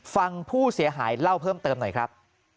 ฟังผู้เสียหายเล่าเพิ่มเติมหน่อยครับ